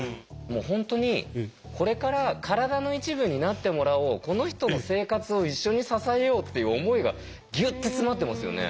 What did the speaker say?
もう本当にこれから体の一部になってもらおうこの人の生活を一緒に支えようっていう思いがギュッて詰まってますよね。